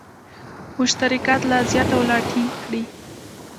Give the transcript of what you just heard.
مشترکات لا زیات او لا ټینګ کړي.